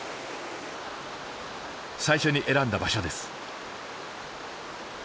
最初に選んだ場所です。